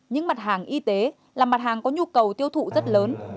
những mặt hàng y tế là mặt hàng có nhu cầu tiêu thụ rất lớn